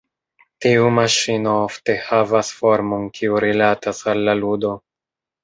Tiu maŝino ofte havas formon kiu rilatas al la ludo.